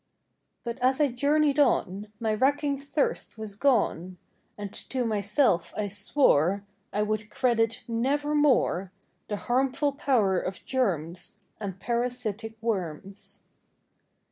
[ 8 ] But as I journeyed on, My racking thirst was gone, And to myself I swore I would credit nevermore The harmful power of germs And parasitic worms.